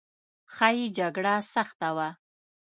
ښایي جګړه سخته وه.